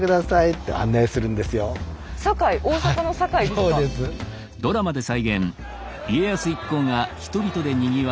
大坂の堺ですか？